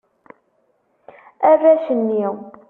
Arrac-nni.